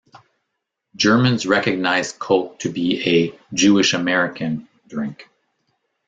Germans recognized Coke to be a "Jewish-American" drink.